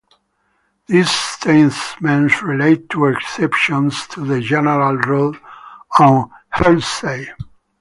These statements relate to "exceptions" to the general rule on hearsay.